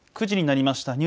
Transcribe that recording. ９時になりました。